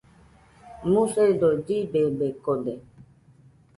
Musedo llibebekode